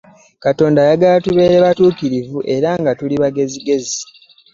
Katonda atagala tubeere batukirivu era nga tuli bagezigezi.